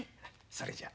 それじゃあ。